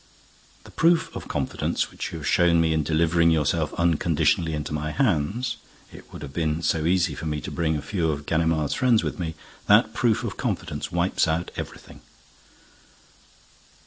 "The proof of confidence which you have shown me in delivering yourself unconditionally into my hands—it would have been so easy for me to bring a few of Ganimard's friends with me—that proof of confidence wipes out everything."